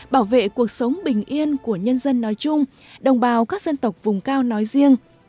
bảo vệ cuộc sống bình yên của nhân dân nói chung đồng bào các dân tộc vùng cao nói riêng